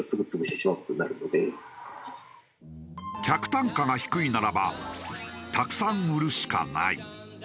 客単価が低いならばたくさん売るしかない。